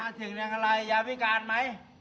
มาถึงในขณะไรยาพิการไหม